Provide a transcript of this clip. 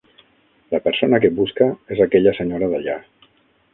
La persona que busca és aquella senyora d'allà.